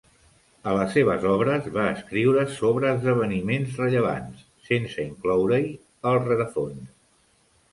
A les seves obres, va escriure sobre esdeveniments rellevants, sense incloure-hi el rerefons.